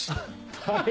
はい。